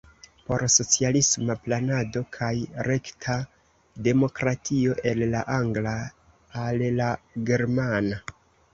Por socialisma planado kaj rekta demokratio" el la angla al la germana.